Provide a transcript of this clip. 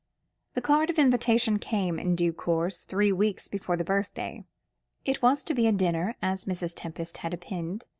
The card of invitation came in due course, three weeks before the birthday. It was to be a dinner, as Mrs. Tempest had opined.